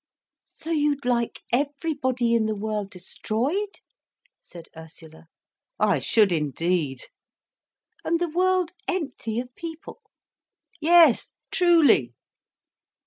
"So you'd like everybody in the world destroyed?" said Ursula. "I should indeed." "And the world empty of people?" "Yes truly.